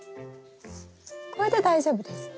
これで大丈夫ですね？